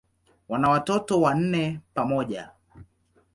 Wana watoto wanne pamoja.